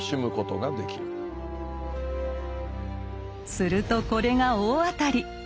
するとこれが大当たり。